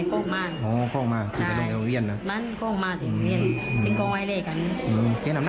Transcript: นี่ว่าค้องมาเต็มอันแต่ตอนกินนั้นก็คือไม่รู้นะอืม